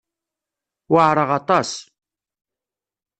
Weɛṛeɣ aṭas.